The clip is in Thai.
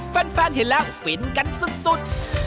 แฟนเห็นแล้วฟินกันสุด